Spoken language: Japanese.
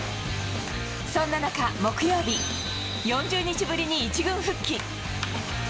そんな中、木曜日、４０日ぶりに１軍復帰。